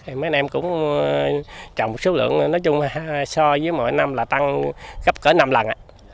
thì mấy anh em cũng trồng một số lượng nói chung so với mỗi năm là tăng gấp cỡ năm lần